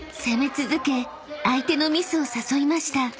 ［攻め続け相手のミスを誘いました］